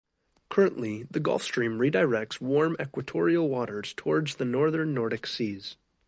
Currently, the Gulf Stream redirects warm, equatorial waters towards the northern Nordic Seas.